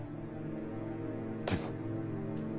でも。